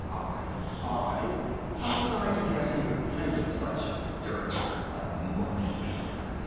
"I I? How was I to guess he would play with such dirt. The Monkey People!